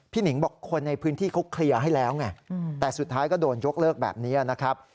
หนิงบอกคนในพื้นที่เขาเคลียร์ให้แล้วไงแต่สุดท้ายก็โดนยกเลิกแบบนี้นะครับ